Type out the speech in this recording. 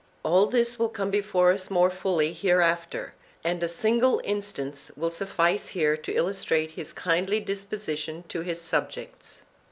All this will come before us more fully hereafter and a single instance will suffice here to illustrate his kindly disposition to his sub jects.